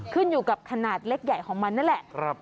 ขึ้นอยู่กับขนาดเล็กใหญ่ของมันนั่นแหละ